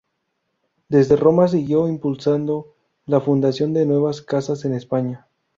Desde Roma siguió impulsando la fundación de nuevas casas en España.